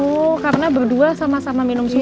oh karena berdua sama sama minum susu